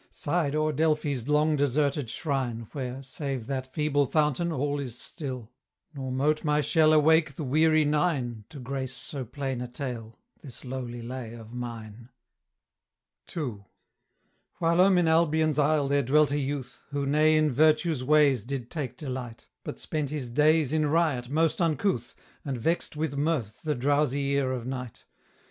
sighed o'er Delphi's long deserted shrine Where, save that feeble fountain, all is still; Nor mote my shell awake the weary Nine To grace so plain a tale this lowly lay of mine. II. Whilome in Albion's isle there dwelt a youth, Who ne in virtue's ways did take delight; But spent his days in riot most uncouth, And vexed with mirth the drowsy ear of Night.